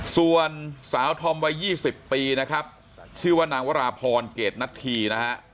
ส่วนสาวธอมวัย๒๐ปีนะครับชื่อว่านางวราพรเกรดนัทธีนะฮะ